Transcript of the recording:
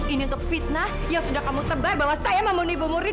ini untuk fitnah yang sudah kamu tebar bahwa saya membunuh ibu murni